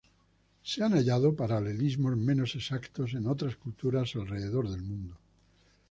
Se han hallado paralelismos menos exactos en otras culturas alrededor del mundo.